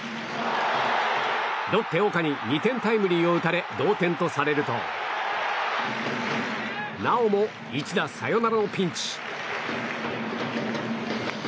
ロッテ、岡に２点タイムリーを打たれ同点とされるとなおも一打サヨナラのピンチ。